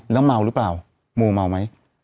แล้วเมาหรือเปล่าโมเมาไหม